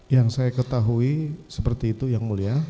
yang saya ketahui seperti itu yang mulia